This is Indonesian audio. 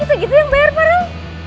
eh kita gitu yang bayar pak raul